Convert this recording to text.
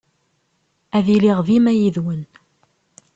Ad iliɣ dima yid-wen.